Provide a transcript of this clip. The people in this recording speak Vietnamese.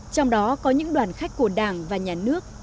trong đó có những đoàn khách của đảng và nhà nước